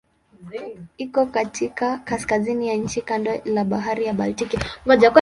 Iko katika kaskazini ya nchi kando la Bahari ya Baltiki.